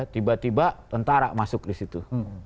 tiba tiba tentara masuk disitu